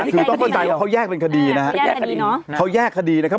คือต้องเข้าใจว่าเขาแยกเป็นคดีนะฮะเขาแยกคดีนะครับ